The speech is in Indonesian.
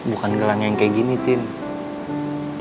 bukan gelang yang kayak gini tini